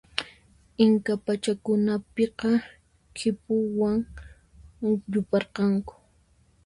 Inca pachakunapiqa khipuwan yuparqanku.